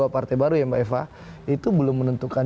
partai baru ya mbak eva itu belum menentukan